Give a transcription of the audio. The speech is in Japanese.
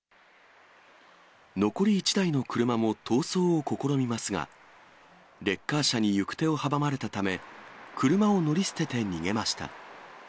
残り１台の車も逃走を試みますが、レッカー車に行く手を阻まれたため、車を乗り捨てて逃げました。